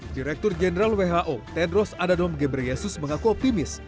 direktur jenderal who tedros adhanom ghebreyesus mengaku optimis